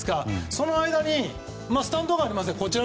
その間にスタンドがありますね。